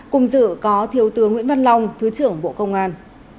cùng dự có thiếu tướng nguyễn văn long thứ trưởng bộ công an